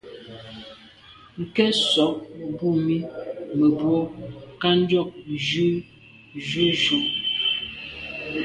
Nke nsôg mbu mi mebwô kà njôg njù juju.